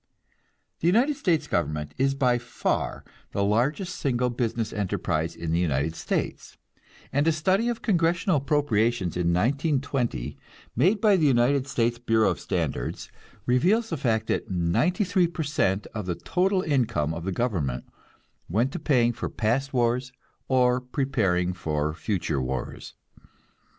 The United States government is by far the largest single business enterprise in the United States; and a study of congressional appropriations in 1920, made by the United States Bureau of Standards, reveals the fact that ninety three per cent of the total income of the government went to paying for past wars or preparing for future wars.